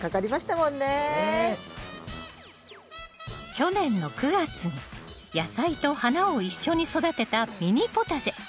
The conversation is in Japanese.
去年の９月に野菜と花を一緒に育てたミニポタジェ。